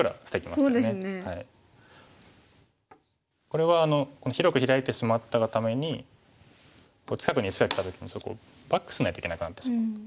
これは広くヒラいてしまったがために近くに石がきた時にちょっとバックしないといけなくなってしまった。